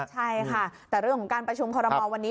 ใช่ค่ะแต่เรื่องของการประชุมคอรมอลวันนี้